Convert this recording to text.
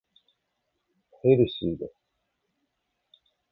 ヘルシーです。